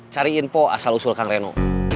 cari info asal usul kang reno